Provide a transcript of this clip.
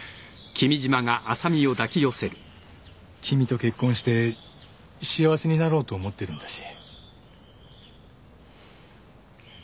君と結婚して幸せになろうと思ってるんだし。